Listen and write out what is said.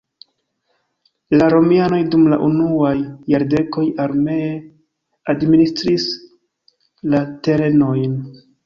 La romianoj dum la unuaj jardekoj armee administris la terenojn.